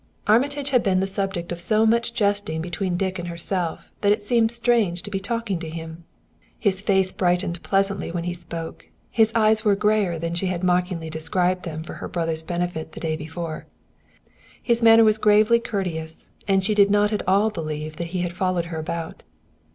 Armitage had been the subject of so much jesting between Dick and herself that it seemed strange to be talking to him. His face brightened pleasantly when he spoke; his eyes were grayer than she had mockingly described them for her brother's benefit the day before. His manner was gravely courteous, and she did not at all believe that he had followed her about.